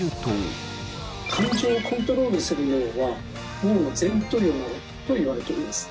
感情をコントロールする脳は脳の前頭葉といわれております。